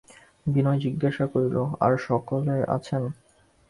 বিনয় জিজ্ঞাসা করিল, আর-সকলে আছেন?